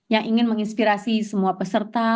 yang ingin menginspirasi semua peserta